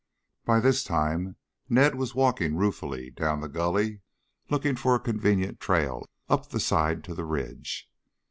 By this time Ned was walking ruefully down the gully looking for a convenient trail up the side to the ridge.